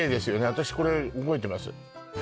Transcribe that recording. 私これ覚えてます